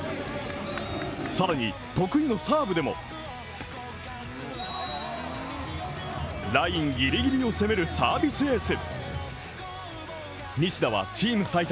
さらに得意のサーブでもラインギリギリを攻めるサービスエース。